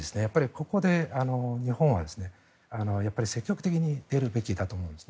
ここで日本は積極的に出るべきだと思います。